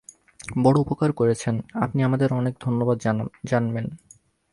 বড়ো উপকার করেছেন– আপনি আমাদের অনেক ধন্যবাদ জানবেন।